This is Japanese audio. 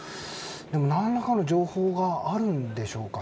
何らかの情報があるんでしょうか。